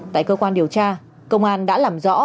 tại cơ quan điều tra công an đã làm rõ